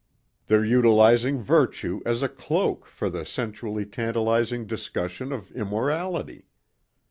They're utilizing virtue as a cloak for the sensually tantalizing discussion of immorality.